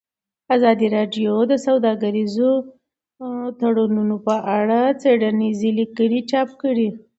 ازادي راډیو د سوداګریز تړونونه په اړه څېړنیزې لیکنې چاپ کړي.